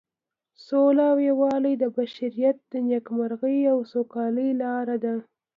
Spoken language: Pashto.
سوله او یووالی د بشریت د نیکمرغۍ او سوکالۍ لاره ده.